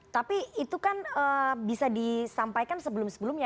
tapi itu kan bisa disampaikan sebelum sebelumnya